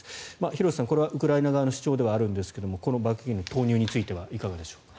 廣瀬さん、これはウクライナ側の主張ではありますがこの爆撃機の投入についてはいかがでしょうか。